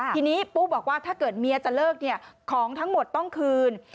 ทีนี้ปุ๊บอกว่าถ้าเกิดเมียจะเลิกของทั้งหมดต้องคืน